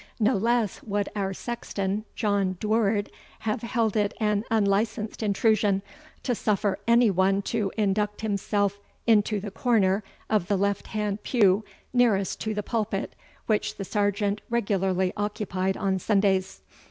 No less would our sexton, John Duirward, have held it an unlicensed intrusion, to suffer any one to induct himself into the corner of the left hand pew nearest to the pulpit, which the Sergeant regularly occupied on Sundays.